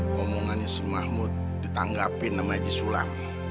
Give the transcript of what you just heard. ngomongannya si mahmud ditanggapin sama ji sulam